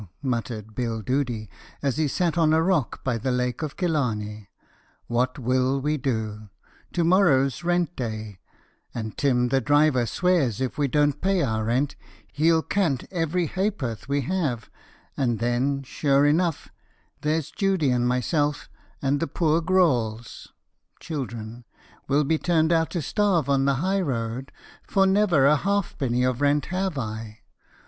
muttered Bill Doody, as he sat on a rock by the Lake of Killarney. "What will we do? To morrow's rent day, and Tim the Driver swears if we don't pay our rent, he'll cant every ha'perth we have; and then, sure enough, there's Judy and myself, and the poor grawls, will be turned out to starve on the high road, for the never a halfpenny of rent have I!